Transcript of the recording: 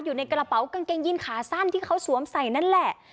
อยู่ในกระเป๋ากางเกงยินขาสั้นที่เขาสวมใส่นั่นแหละ